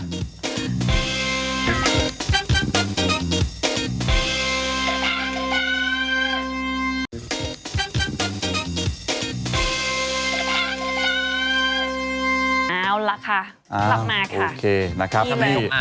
เอาละค่ะกลับมาค่ะ